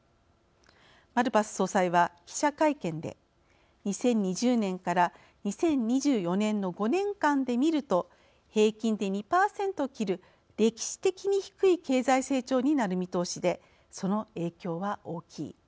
マルパス総裁は記者会見で「２０２０年から２０２４年の５年間で見ると平均で２％切る歴史的に低い経済成長になる見通しでその影響は大きい。